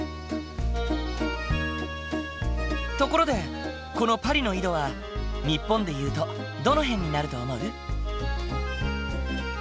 ところでこのパリの緯度は日本でいうとどの辺になると思う？